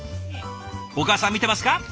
お母さん見てますか？